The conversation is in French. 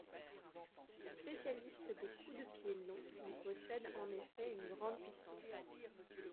Spécialiste des coups de pied longs, il possède en effet une grande puissance.